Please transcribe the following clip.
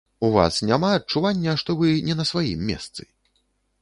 У вас няма адчування, што вы не на сваім месцы?